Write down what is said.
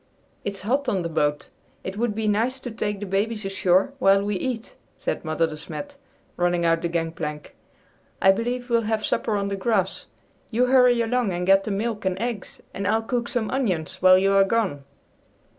"It's hot on the boat. It would be nice to take the babies ashore while we eat," said Mother De Smet, running out the gangplank. "I believe we'll have supper on the grass. You hurry along and get the milk and eggs, and I'll cook some onions while you are gone."